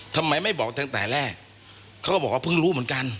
ทำไมไม่บอกตั้งแต่แรกเขาก็บอกว่าเพิ่งรู้เหมือนกัน